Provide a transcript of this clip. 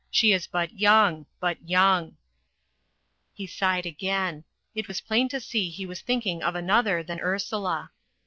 She is but young but young." He sighed again. It was plain to see he was thinking of another than Ursula.